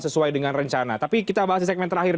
sesuai dengan rencana tapi kita bahas di segmen terakhir